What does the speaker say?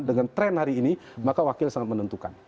dengan tren hari ini maka wakil sangat menentukan